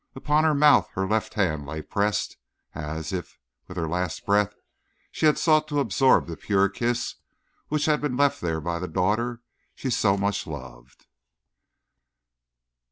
Upon her mouth her left hand lay pressed, as if, with her last breath, she sought to absorb the pure kiss which had been left there by the daughter she so much loved.